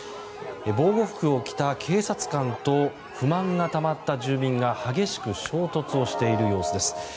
防護服を着た警察官と不満がたまった住民が激しく衝突をしている様子です。